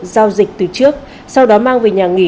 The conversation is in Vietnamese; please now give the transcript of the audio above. giao dịch từ trước sau đó mang về nhà nghỉ